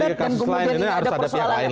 dan kemudian ini ada persoalan